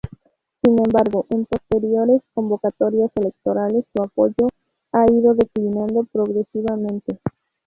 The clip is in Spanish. Sin embargo, en posteriores convocatorias electorales su apoyo ha ido declinando progresivamente.